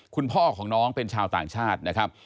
คุณพ่อของน้องเป็นชาวต่างชาตินะครับ